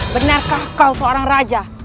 benarkah kau seorang raja